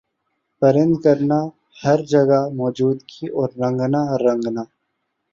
پرند کرنا ہَر جگہ موجودگی اور رنگنا رنگنا